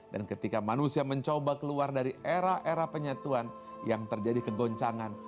dan ketika manusia mencoba keluar dari era era penyatuan yang terjadi kegoncangan